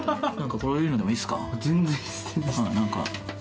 こういうのでもいいですか。